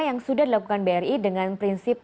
yang sudah dilakukan bri dengan prinsip